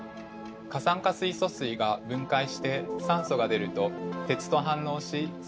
過酸化水素水が分解して酸素が出ると鉄と反応しサビが発生します。